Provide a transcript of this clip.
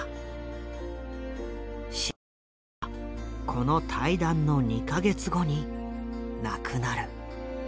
志ん朝はこの対談の２か月後に亡くなる。